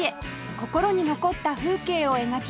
心に残った風景を描きます